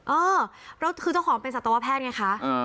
เออแล้วคือเจ้าของเป็นสัตวแพทย์ไงคะ